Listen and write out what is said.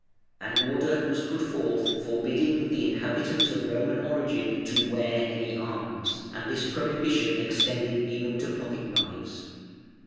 An order was put forth forbidding the inhabitants of Roman origin to wear any arms, and this prohibition extended even to pocket knives.